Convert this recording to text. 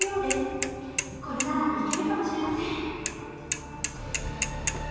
これならいけるかもしれません。